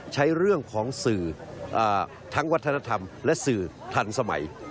ใช้เรื่องของสื่อทั้งวัฒนธรรมและสื่อทันสมัย